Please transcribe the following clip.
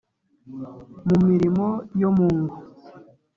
mu mirimo yo mu ngo